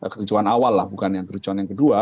kericuhan awal lah bukannya kericuhan yang kedua